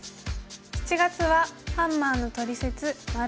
７月は「ハンマーのトリセツ④」。